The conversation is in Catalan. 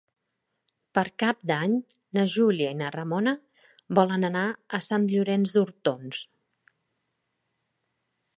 Per Cap d'Any na Júlia i na Ramona volen anar a Sant Llorenç d'Hortons.